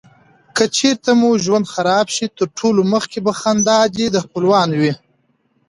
که چیرته مو ژوند خراب شي تر ټولو مخکي به خندا دې خپلوانو وې.